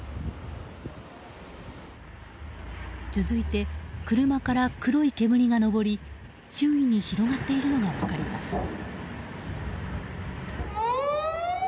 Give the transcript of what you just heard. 続いて、車から黒い煙が上り周囲に広がっているのが分かります。